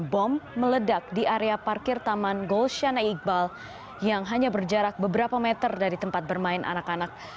bom meledak di area parkir taman gol shana iqbal yang hanya berjarak beberapa meter dari tempat bermain anak anak